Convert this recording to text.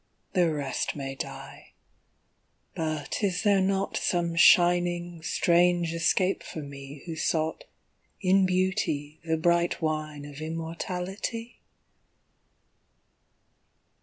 The rest may die but is there not Some shining strange escape for me Who sought in Beauty the bright wine Of immortality?